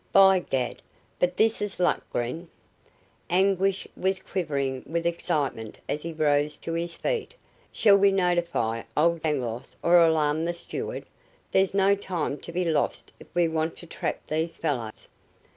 By Gad, but this is luck, Gren!" Anguish was quivering with excitement as he rose to his feet. "Shall we notify old Dangloss or alarm the steward? There's no time to be lost if we want to trap these fellows.